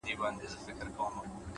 ارام ذهن غوره پرېکړې کوي؛